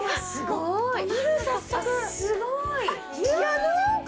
すごーい。